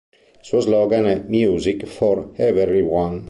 Il suo slogan è: "Music For Everyone".